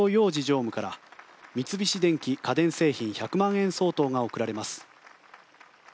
常務から三菱電機家電製品１００万円相当が贈られます。